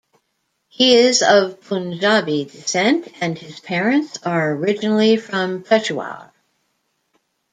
He is of Punjabi descent and his parents are originally from Peshawar.